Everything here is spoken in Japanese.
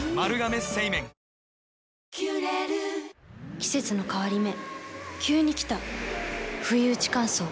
季節の変わり目急に来たふいうち乾燥。